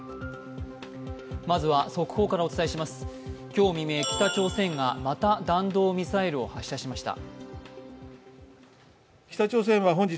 今日未明、北朝鮮がまた弾道ミサイルを発射しました。